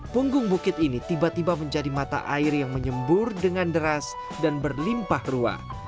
punggung bukit ini tiba tiba menjadi mata air yang menyembur dengan deras dan berlimpah ruah